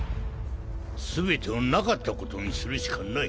全てをなかったことにするしかない。